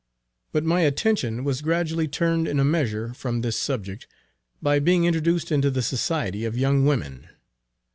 But my attention was gradually turned in a measure from this subject, by being introduced into the society of young women.